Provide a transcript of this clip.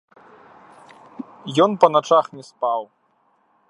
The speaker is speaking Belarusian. Ён па начах не спаў.